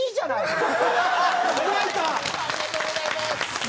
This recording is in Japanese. ありがとうございます！